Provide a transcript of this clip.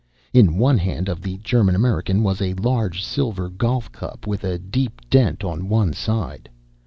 In one hand of the German American was a large silver golf cup with a deep dent on one side.